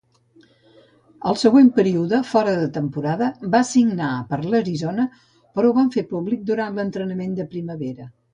El següent període fora de temporada va signar per l'Arizona, però ho van fer públic durant l'entrenament de primavera.